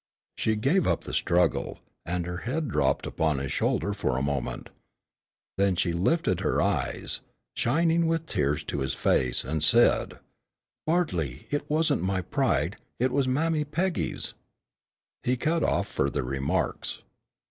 She gave up the struggle, and her head dropped upon his shoulder for a moment. Then she lifted her eyes, shining with tears to his face, and said, "Bartley, it wasn't my pride, it was Mammy Peggy's." He cut off further remarks.